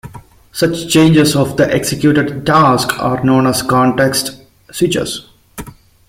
Such changes of the executed task are known as context switches.